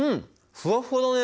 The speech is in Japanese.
ふわふわだね！